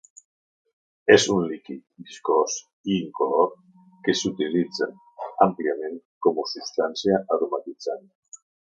És un líquid viscós i incolor que s'utilitza àmpliament com a substància aromatitzant.